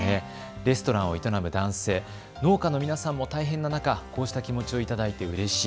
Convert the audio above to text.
レストランを営む男性、農家の皆さんも大変な中、こうした気持ちをいただいてうれしい。